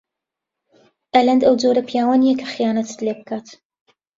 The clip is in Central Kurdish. ئەلەند ئەو جۆرە پیاوە نییە کە خیانەتت لێ بکات.